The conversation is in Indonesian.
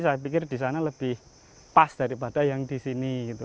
saya pikir di sana lebih pas daripada yang di sini gitu